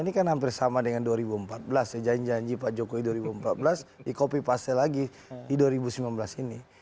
ini kan hampir sama dengan dua ribu empat belas ya janji janji pak jokowi dua ribu empat belas di copy paste lagi di dua ribu sembilan belas ini